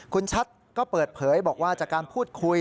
คุณชัดก็เปิดเผยบอกว่าจากการพูดคุย